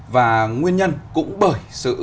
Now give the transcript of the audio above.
và nguyên nhân cũng bởi sự